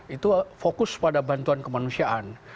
itu fokus pada bantuan kemanusiaan